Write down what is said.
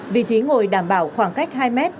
vị trí ngồi đảm bảo khoảng cách hai mét